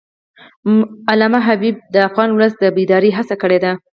علامه حبیبي د افغان ولس د بیدارۍ هڅه کړې ده.